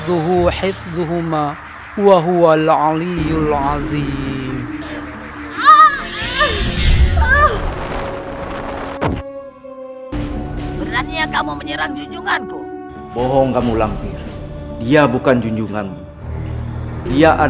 dan tidak mengalami apa apa dari ilmunya hingga apa yang dia inginkan